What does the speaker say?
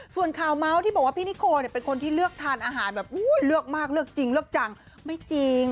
ส่วนข่าวเมาส์ที่บอกว่าพี่นิโคเป็นคนที่เลือกทานอาหารแบบเลือกมากเลือกจริงเลือกจังไม่จริง